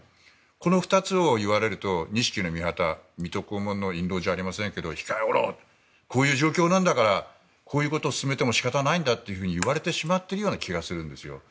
この２つを言われると錦の御旗水戸黄門の印籠じゃなくても控えおろうとこういう状況だからこういうふうに言われてしまっているような気がするんですよ。